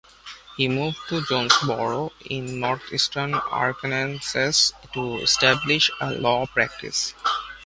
He moved to Jonesboro in northeastern Arkansas to establish a law practice.